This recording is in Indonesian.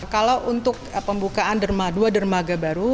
kpl membuka dua dermaga baru